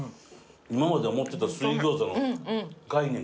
今まで思ってた水餃子の概念